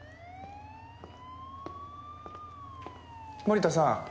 森田さん。